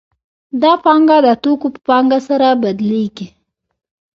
دا پانګه د توکو په پانګه سره بدلېږي